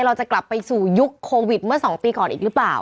เราจะกลับไปสู่ยุคโควิดเมื่อ๒ปีก่อนอีกหรือเปล่า